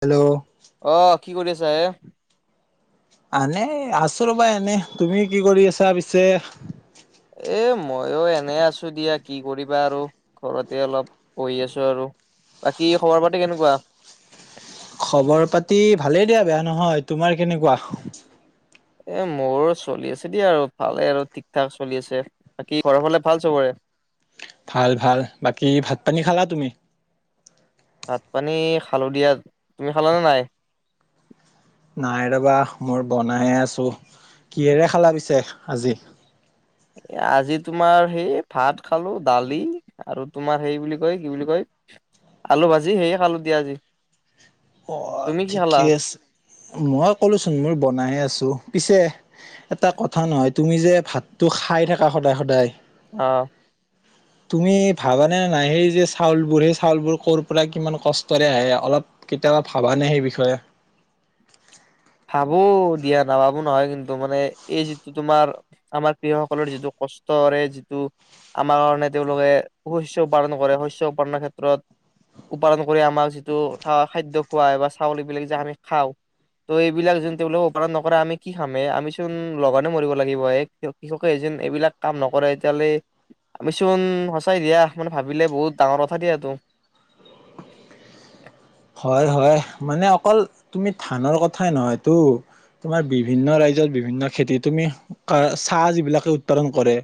Hello অ কি কৰি আছা এ আনে আছো ৰ'বা এনে তুমি কি কৰি আছা পিছে এ ময়ো এনে আছো দিয়া কি কৰিবা আৰু ঘৰতে অলপ পঢ়ি আছো আৰু বাকী খবৰ পাতি কেনেকুৱা খবৰ পাতি ভালেই দিয়া বেয়া নহয় তোমাৰ কেনেকুৱা এ মোৰ চলি আছে দিয়া আৰু ভালে আৰু ঠিক ঠাক চলি আছে বাকী ঘৰৰ ফালে ভাল চবৰে ভাল ভাল বাকী ভাত পানী খালা তুমি ভাত পানী খালোঁ দিয়া তুমি খালানে নাই নাই ৰবা মোৰ বনাই আছো কিহেৰে খালা পিছে আজি আজি তোমাৰ সেই ভাত খালো দালি আৰু তোমাৰ সেই বুলি কয় কি বুলি কয় আলু ভাজি সেয়ে আলু দিয়া আজি অ তুমি কি খালা ঠিকে আছে মই ক'লোচোন মোৰ বনাই আছো পিছে এটা কথা নহয় তুমি যে ভাতটো খাই থাকা সদায় সদায় অ তুমি ভাবানে নাই সেই যে চাউলবোৰ সেই চাউলবোৰ ক'ৰ পৰা কিমান কষ্টৰে আহে অলপ কেতিয়াবা ভাবানে সেই বিষয়ে ভাবো দিয়া নাভাবো নহয় কিন্তু মানে এই যিটো তোমাৰ আমাৰ কৃষকসকলৰ যিটো কষ্টৰে যিটো আমাৰ কাৰণে তেওঁলোকে শস্য উৎপাদন কৰে শস্য উৎপাদনৰ ক্ষেত্ৰত উৎপাদন কৰি আমাক যিটো খাদ্য খোৱা হয় বা চাউল এইবিলাক যে আমি খাওঁ ত' এইবিলাক যোন তেওঁলোকক উৎপাদন নকৰে আমি কি খামেই আমি চোন লঘোনে মৰিব লাগিব এ কৃষকে যেন এইবিলাক কাম নকৰে এতিয়াহলে আমি চোন সঁচাই দিয়া মানে ভাবিলে বহুত ডাঙৰ কথা দিয়া এইতো হয় হয় মানে অকল তুমি ধানৰ কথাই নহয়টো তোমাৰ বিভিন্ন ৰাজ্যৰ বিভিন্ন খেতি তুমি চাহ যিবিলাকে উৎপাদন কৰে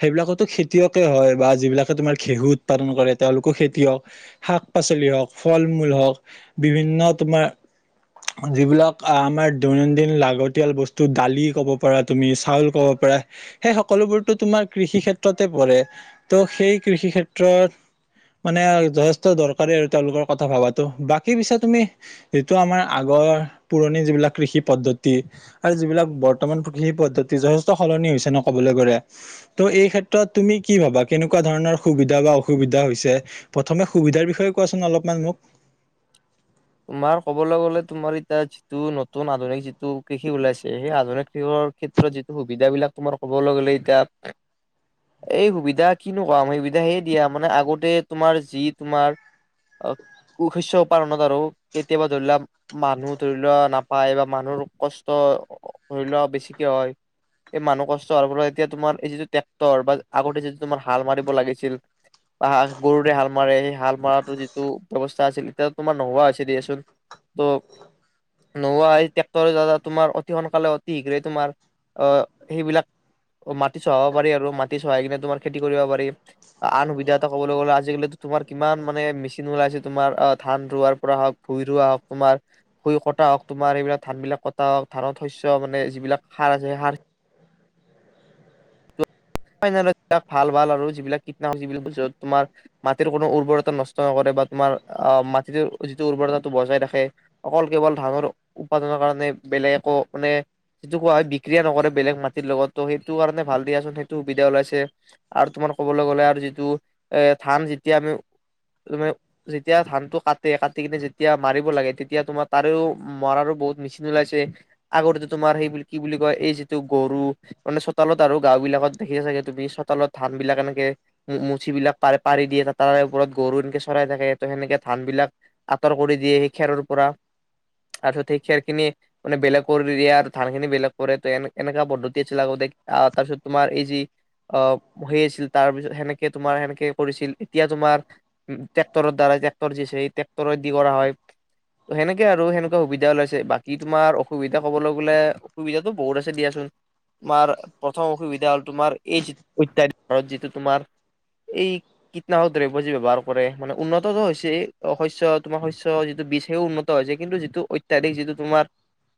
সেইবিলাকতো খেতিয়কে হয় বা যিবিলাকে তোমাৰ ঘেঁহু উৎপাদন কৰে তেওঁলোকো খেতিয়ক শাক পাচলি হওক ফল মূল হওক বিভিন্ন তোমাৰ যিবিলাক আমাৰ দৈনন্দিন লাগতিয়াল বস্তু দালি ক'ব পৰা তুমি চাউল কব পাৰা সেই সকলোবোৰতো তোমাৰ কৃষি ক্ষেত্ৰতে পৰে ত সেই কৃষি ক্ষেত্ৰত মানে যথেষ্ট দৰকাৰী আৰু তেওঁলোকৰ কথা ভাবাটো বাকী পিছে তুমি যিটো আমাৰ আগৰ পুৰণি যিবিলাক কৃষি পদ্ধতি আৰু যিবিলাক বৰ্তমান কৃষি পদ্ধতি যথেষ্ট সলনি হৈছে ন' কবলৈ গ'লে। ত' এই ক্ষেত্ৰত তুমি কি ভাবা কেনেকুৱা ধৰণৰ সুবিধা বা অসুবিধা হৈছে? প্ৰথমে সুবিধাৰ বিষয়ে কোৱাচোন অলপমান মোক? তোমাৰ ক'বলৈ গ'লে তোমাৰ এতিয়া যিটো নতুন আধুনিক যিটো কৃষি ওলাইছে সেই আধুনিক কৃষৰ ক্ষেত্ৰত যিটো সুবিধা বিলাক তোমাৰ ক'বলৈ গ'লে এতিয়া এই সুবিধা কিনো ক'ম সেই সুবিধা সে দিয়া মানে আগতে তোমাৰ যি তোমাৰ কু শস্য পালনত আৰু কেতিয়াবা ধৰি লোৱা মানুহ ধৰি লোৱা নাপায় বা মানুহৰ কষ্ট ধৰি লোৱা বেছিকে হয়। এই মানুহ কষ্ট হোৱাৰ পৰা এতিয়া তোমাৰ এই যিটো ট্ৰেক্টৰ বা আগতে যিটো তোমাৰ হাল মাৰিব লাগিছিল। বা গৰুৰে হাল মাৰে সেই হাল মৰাটো যিটো ব্যৱস্থা আছিল এতিয়া তোমাৰ নোহোৱা হৈছি দিয়াচোন ত' নোহোৱাহৈ ট্ৰেক্টৰে দাৰা তোমাৰ অতি সোনকালে অতি শীঘ্ৰেই তোমাৰ অহ, সেইবিলাক মাটি চহাব পাৰি আৰু মাটি চহাই কিনে তোমাৰ খেতি কৰিব পাৰি। আন সুবিধা এটা ক'বলৈ গ'লে আজিকালিটো তোমাৰ কিমান মানে মেচিন ওলাইছে তোমাৰ অ', ধান ৰোৱাৰ পৰা হওক ভুই ৰোৱা হওক তোমাৰ। ভূই কটা হওক তোমাৰ এইবিলাক ধান বিলাক কটা হওক ধানৰ শস্য মানে যিবিলাক সাৰ আছে সেই সাৰ [unintelligible] ভাল ভাল আৰু যিবিলাক কীটনাশক যিবিলাক বস্তু তোমাৰ মাটিৰ কোনো উৰ্বৰতা নষ্ট নকৰে বা তোমাৰ আহ মাটিতটোৰ যিটো উৰ্বৰতাটো বজাই ৰাখে। অকল কেৱল ধানৰ উৎপাদনৰ কাৰণে, বেলেগ একো মানে সেইটো কোৱা হয়, বিক্ৰিয়া নকৰে বেলেগ মাটিৰ লগতো সেইটো কাৰণ, ভাল দিয়াচোন সেই সুবিধা ওলাইছে আৰু তোমাৰ ক'বলৈ গ'লে আৰু যিটো এ ধান যেতিয়া আমি তুমি যেতিয়া ধানটো কাটে কাটি কিনে যেতিয়া মাৰিব লাগে তেতিয়া তোমাৰ তাৰেও মৰাৰো বহুত মেচিন ওলাইছে। আগতেটো তোমাৰ সেই বুলি কি বুলি কয় এই যিটো গৰু মানে চোতালত আৰু গাও বিলাকত দেখিছা চাগে তুমি চোতালত ধান বিলাক এনেকে মু-মুচিবিলাক পাৰ-পাৰি দিয়ে তা-তাৰে ওপৰত গৰু এনেকে চৰাই থাকে সেনেকে ধান বিলাক আঁতৰ কৰি দিয়ে সেই খেৰৰ পৰা, তাৰপিছত সেই খেৰ খিনি মানে বেলেগ কৰি দিয়ে আৰু ধান খিনি বেলেগ কৰে ত' এ-এনেকা পদ্ধতি আছিল আগতে তাৰপিছত তোমাৰ এই যি অ', সেই আছিল তাৰ পিছত সেনেকে তোমাৰ সেনেকে কৰিছিল এতিয়া তোমাৰ টেক্টৰৰ দ্বাৰাই টেক্টৰ যি আছে এই ট্ৰেক্টৰেদি কৰা হয়। সেনেকে আৰু সেনেকুৱা সুবিধা ওলাইছে বাকী তোমাৰ অসুবিধা ক'বলৈ গ'লে অসুবিধাতটো বহুত আছে দিয়াচোন মাৰ প্ৰথম অসুবিধা হ'ল। তোমাৰ এই যি অত্যাধিক হাৰত যিটো তোমাৰ এই কীটনাশক দ্ৰব্য যি ব্যৱহাৰ কৰে মানে, উন্নতটো হৈছে শস্য তোমাৰ শস্য যিটো বীজ সেইও উন্নত [unintelligible] হৈছে কিন্তু যিটো অত্যাধিক যিটো তোমাৰ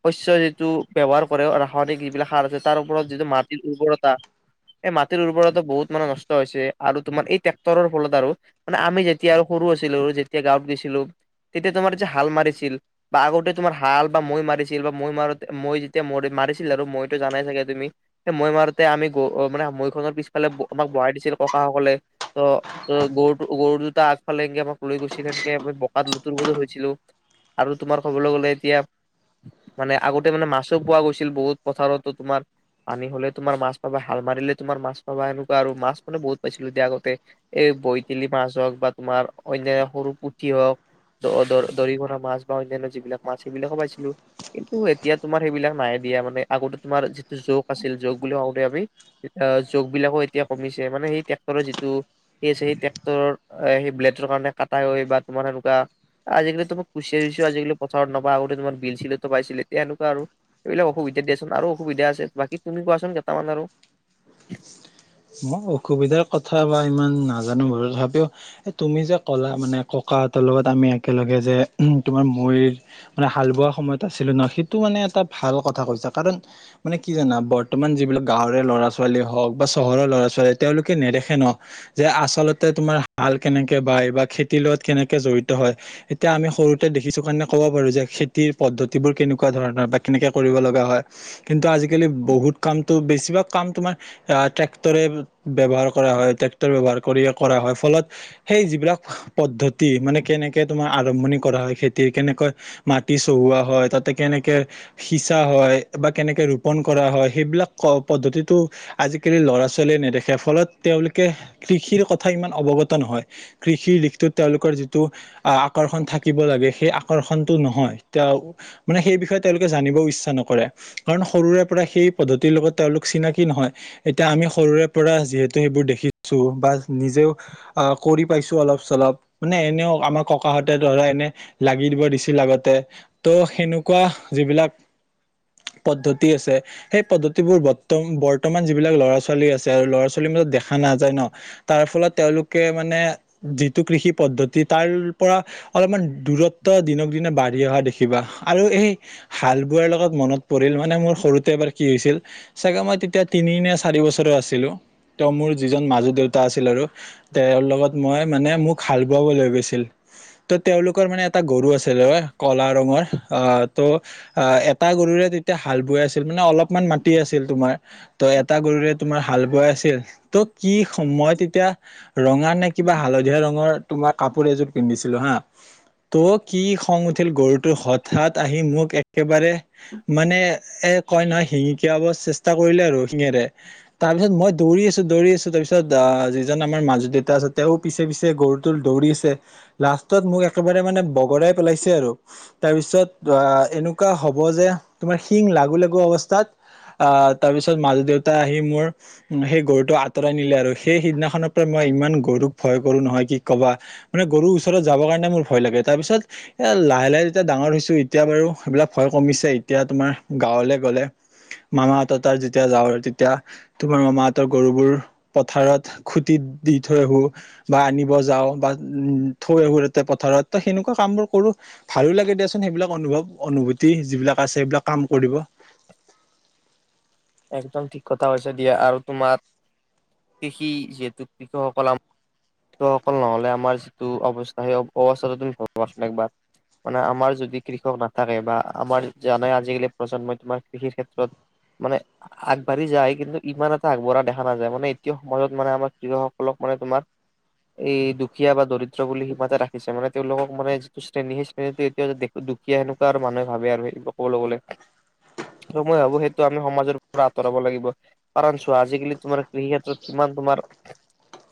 শস্য যিটো ব্যৱহাৰ কৰে ৰাসায়নিক যিবিলাক সাৰ আছে তাৰ ওপৰত যিটো মাটিৰ উৰ্বৰতা। এই মাটিৰ উৰ্বৰতা বহুত মানে নষ্ট হৈছে আৰু তোমাৰ এই টেক্টৰৰ ফলত আৰু মানে আমি যেতিয়া আৰু সৰু আছিলো যেতিয়া গাঁৱত গৈছিলো তেতিয়া তোমাৰ যে হাল মাৰিছিল। বা আগতে তোমাৰ হাল বা মৈ মাৰিছিল বা মৈ মাৰোতে মৈ যেতিয়া ম-মাৰিছিল আৰু মৈতো জানাই চাগে তুমি? সেই মৈ মাৰোতে আমি গ মানে মৈখনৰ পিছফালে ব আমাক বহাই দিছিল ককাসকলে, ত' ত' গৰুটো গৰু দুটা আগফালে এনকে আমাক লৈ গৈছিল সেনেকে আমি বোকাত লুতুৰ-পুতুৰ হৈছিলো। আৰু তোমাৰ কবলৈ গ'লে এতিয়া মানে আগতে মানে মাছো পোৱা গৈছিল বহুত পথাৰতো, তোমাৰ পানী হ'লে তোমাৰ মাছ পাবা হাল মাৰিলে তোমাৰ মাছ পাবা এনেকুৱা আৰু। মাছ মানে বহুত পাইছিলো দিয়া আগতে। এই বৈতেলি মাছ হওক বা তোমাৰ অন্যান্য সৰু পুঠি হওক দ-দ-দৰিকনা মাছ বা অন্যান্য যিবিলাক মাছ সেইবিলাকো পাইছিলো। কিন্তু এতিয়া তোমাৰ সেইবিলাক নাই দিয়া মানে আগতে তোমাৰ যিটো যৌক আছিল যৌক বুলি [unintelligible] অঁ জোক বিলাকো এতিয়া কমিছে মানে সেই টেক্টৰে যিটো সেই আছেই ট্ৰেক্টৰৰ সেই ব্লেডৰ কাৰণে কাটা গৈ বা তোমাৰ সেনেকুৱা আজিকালি তোমাৰ কুচিয়া-সুচিয়াও আজিকালি পথাৰত নাপাই আগতে তোমাৰ বিল-ছিলটো পাইছিল এতিয়া এনেকুৱা আৰু এইবিলাক অসুবিধা দিয়াচোন আৰু অসুবিধা আছে। বাকী তুমি কোৱাচোন কেইটামান আৰু। মই অসুবিধাৰ কথা বা ইমান নাজানো বাৰু তথাপিও এ তুমি যে কলা মানে ককাহঁতৰ লগত আমি একেলগে যে তোমাৰ মৈৰ মানে হাল বোৱা সময়ত আছিলো ন'! সেইটো মানে এটা ভাল কথা কৈছা কাৰণ মানে কি জানা বৰ্তমান যিবিলাক গাঁৱৰে ল'ৰা-ছো ছোৱালী হওক বা চহৰৰ ল'ৰা-ছোৱালী তেওঁলোকে নেদেখে ন যে আচলতে তোমাৰ হাল কেনেকে বাই বা খেতিৰ লগত কেনেকে জড়িত হয়। এতিয়া আমি সৰুতে দেখিছো কাৰণে ক'ব পাৰো যে খেতিৰ পদ্ধতিবোৰ কেনেকুৱা ধৰণৰ বা কেনেকে কৰিব লগা হয়। কিন্তু আজিকালি বহুত কামটো বেছিভাগ কাম তোমাৰ আহ ট্ৰেক্টৰে ব্যৱহাৰ কৰা হয়, ট্ৰেক্টৰ ব্যৱহাৰ কৰি কৰা হয় ফলত সেই যিবিলাক পদ্ধতি মানে কেনেকে তোমাৰ আৰম্ভণি কৰা হয় খেতিৰ? কেনেকৈ মাটি চহোৱা হয়? তাতে কেনেকে সিঁচা হয় বা কেনেকে ৰোপন কৰা হয়? সেইবিলাক ক পদ্ধতিটো আজিকালি ল'ৰা-ছোৱালীয়ে নেদেখে ফলত তেওঁলোকে কৃষিৰ কথা ইমান অৱগত নহয়। কৃষিৰ দিশটোত তেওঁলোকৰ যিটো আহ আকৰ্ষণ থাকিব লাগে সেই আকৰ্ষণটো নহয়। তেওঁ মানে সেই বিষয়ে তেওঁলোকে জানিবও ইচ্ছা নকৰে কাৰণ সৰুৰে পৰা সেই পদ্ধতিৰ লগত তেওঁলোক চিনা কি নহয়। এতিয়া আমি সৰুৰে পৰা যিহেতু সেইবোৰ দেখিছো বা নিজেও আহ কৰি পাইছো অলপ-চলপ মানে এনেও আমাৰ ককাহঁতে ধৰা এনে লাগি দিব দিছিল আগতে। ত' সেনেকুৱা যিবিলাক পদ্ধতি আছে সেই পদ্ধতিবোৰ বত্ত বৰ্তমান যিবিলাক ল'ৰা-ছোৱালী আছে আৰু ল'ৰা-ছোৱালীৰ মাজত দেখা নাযায় ন'। তাৰ ফলত তেওঁলোক কে মানে যিটো কৃষি পদ্ধতি তাৰ পৰা অলপমান দূৰত ত্ব দিনক দিনে বাঢ়ি অহা দেখিবা আৰু এই হাল বোৱাৰ লগত মনত পৰিল মানে মোৰ সৰুতে এবাৰ কি হৈছিল চাগে মই তেতিয়া তিনি নে চাৰি বছৰৰ আছিলো, তেওঁ মোৰ যিজন মাজু দেউতা আছিল আৰু তেওঁৰ লগত মই মানে মোক হাল বোৱাব লৈ গৈছিল। ত' তেওঁলোকৰ মানে এটা গৰু আছি ল অ কলা ৰঙৰ। অ ত' অ এটা গৰুৰে তেতিয়া হাল বৈ আছিল মানে অলপমান মাটি আছিল তোমাৰ ত' এটা গৰুৰে তোমাৰ হাল বোৱাই আছিল। ত' কি স মই তেতিয়া ৰঙা নে কিবা হালধীয়া ৰঙৰ তোমাৰ কাপোৰ এযোৰ পিন্ধিছিলো হা! ত' কি খং উঠিল গৰুটোই হঠাৎ আহি মোক এক্কেবাৰে মানে এ কয় নহয় হিঙিকিয়াব চেষ্টা কৰিলে আৰু শিঙেৰে। তাৰ পিছত মই দৌৰি আছো দৌৰি আছো তাৰপিছত আহ যিজন আমাৰ মাজু দেউতা আছে তেওঁ পিছে পিছে গৰুটো দৌৰিছে। লাষ্টত মোক একেবাৰে মানে বগৰাই পেলাইছে আৰু। তাৰপিছত অ এনেকুৱা হ'ব যে তোমাৰ শিং লাগো লাগো অৱস্থাত আহ তাৰ পিছত মাজু দেউতাই আহি মোৰ সেই গৰুটো আঁতৰাই নিলে আৰু। সেই সিদিনাখনৰ পৰা মই ইমান গৰুক ভয় কৰো নহয় কি কবা! মানে গৰুৰ ওচৰত যাব কাৰণে মোৰ ভয় লাগে। তাৰপিছত- এ লাহে লাহে যেতিয়া ডাঙৰ হৈছো এতিয়া বাৰু সেইবিলাক ভয় কমিছে। এতিয়া তোমাৰ গাঁৱলে গলে- মামা সহঁতৰ তাৰ যেতিয়া যাওঁ তেতিয়া- তোমাৰ মামাহতৰ গৰুবোৰ পথাৰত খুটি দি থৈ আহ আহোঁ। বা আনিব যাওঁ বা উম থৈ সতে পথাৰত সেনেকুৱা কাম বোৰ কৰোঁ। ভালো লাগে দিয়াচোন সেইবিলাক অনুভৱ, অনুভূতি যিবিলাক আছে সেইবিলাক কাম কৰিব। একদম ঠিক কথা হৈছে দিয়া আৰু তোমাৰ কৃষি যিহেতু কৃষকসকল আম- সকল নহলে আমাৰ যিটো অৱস্থা সেই অৱস্থাটো তুমি ভালবাচোন একবাৰ। মানে আমাৰ যদি কৃষক নাথাকে বা আমাৰ জানে আজিকালি প্ৰজন্মই তোমাৰ কৃষিৰ ক্ষেত্ৰত- মানে- আগবাঢ়ি যায়। কিন্তু ইমান এটা আগবঢ়া দেখা নাযায় মানে এতিয়া সমাজত মানে আমাৰ কৃষক সকলক মানে তোমাৰ- এই দুখীয়া বা দৰিদ্ৰ বুলি সিমাতে ৰাখিছে মানে তেওঁলোকক মানে যিটো শ্ৰেণী- সেই এতিয়া দুখীয়া সেনেকুৱা আৰু মানুহে ভাবে আৰু কবলৈ গলে। সময় হ'ব, সেইটো আমি সমাজৰ- পৰা আঁতৰাব লাগিব। কাৰণ চোৱা আজিকালি তোমাৰ কৃষি ক্ষেত্ৰত কিমান তোমাৰ-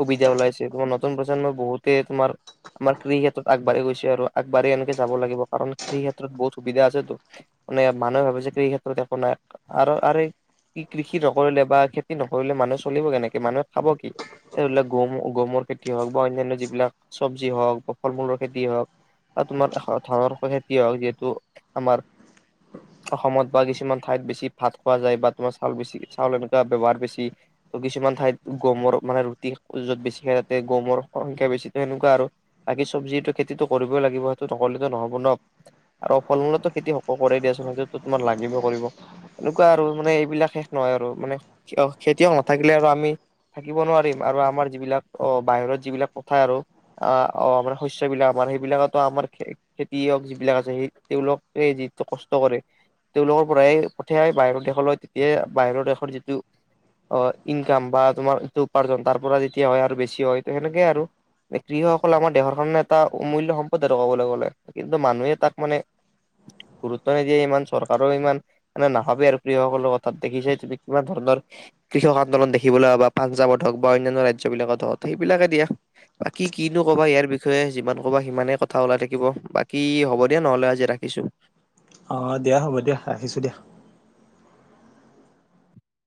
সুবিধা ওলাইছে। তোমাৰ নতুন প্ৰজন্মই বহুতে তোমাৰ- আমাৰ কৃষিক্ষেত্ৰত আগবাঢ়ি গৈছে আৰু আগ বাঢ়ি এনেকে যাব লাগিব। কাৰণ কৃষি ক্ষেত্ৰত বহুত সুবিধা আছে- মানে মানুহে ভাবে যে কৃষি এই ক্ষেত্ৰত একো নাই আৰু- কি কৃষি নকৰিলে বা খেতি নকৰিলে মানুহে চলিব কেনেকে, মানুহে খাব কি? এইবিলাক গুম গহমৰ খেতি হওঁক বা অন্যান্য যিবিলাক চব্জি হওঁক বা ফল মূলৰ খেতি হওঁক। তোমাৰ ধনৰ খেতিয় হওঁক। যিহেতু আমাৰ- অসমত বা কিছুমান ঠাইত বেছি ভাত খোৱা যায় বা তোমাৰ চাউল বেছি চাউল এনেকুৱা ব্যৱহাৰ বেছি। ত' কিছুমান ঠাইত গমৰ মানে ৰুটি য'ত বেছি খাই তাতে গমৰ সংখ্যা বেছি, ত সেনেকুৱা আৰু। বাকি চবজিটো খেতিটো কৰিবই লাগিব, সেইটো নকৰিলেতো নহ'ব ন। আৰু ফল মূলতো খেতি সকলো কৰেই দিয়াচোন, সেইটোটো তোমাৰ লাগিবই কৰিব। এনেকুৱা আৰু মানে- বিলাক শেষ নহয় আৰু মানে খেতিয়ক খেতিয়ক নাথাকিলে আৰু আমি- থাকিব নোৱাৰিম আৰু আমাৰ যিবিলাক অঁ, বাহিৰত যিবিলাক পঠাই আৰু- আ অঁ, আমাৰ শস্যবিলাক আমাৰ, সেইবিলাকতো আমাৰ- খেতিয়ক যিবিলাক আছে, সেই তেওঁলোকে যিটো কষ্ট কৰে- তেওঁলোকৰ পৰাইহে পঠিয়াই বাহিৰৰ দেশলৈ, তেতিয়াহে বাহিৰৰ দেশৰ যিটো- অঁ, ইনকাম বা তোমাৰ যিটো উপাৰ্জন তাৰ পৰা যেতিয়া হয় আৰু বেছি হয়, তে সেনেকে আৰু। কৃষকসকল আমাৰ দেহৰ কাৰণে এটা অমূল্য সম্পদ আৰু কবলৈ গ'লে। কিন্তু মানুহে তাক মানে- গুৰুত্ব নিদিয়ে ইমান, চৰকাৰেও ইমান মানে নাভাবে আৰু কৃষকসকলৰ কথা। তাত দেখিছে তুমি কিমান ধৰণৰ- কৃষক আন্দোলন দেখিবলৈ বা পাঞ্জাৱত হওঁক বা অন্যান্য ৰাজ্যবিলাকত হওঁক সেইবিলাকে দিয়া। বাকী কিনো কবা ইয়াৰ বিষয়ে যিমান কবা সিমানেই কথা ওলাই থাকিব, বাকী হ'ব দিয়া নহ'লে আজি ৰাখি- ছো। অঁ, দিয়া হ'ব দিয়া, ৰাখিছো দিয়া।